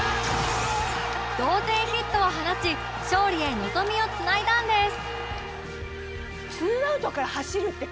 同点ヒットを放ち勝利へ望みをつないだんです